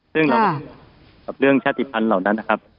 ซึ่งเรากับเรื่องชาติภัณฑ์เหล่านั้นนะครับ